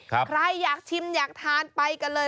ใครอยากชิมอยากทานไปกันเลย